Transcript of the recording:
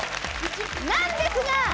なんですが？